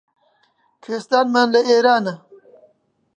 کوێستانمان لە ئێرانە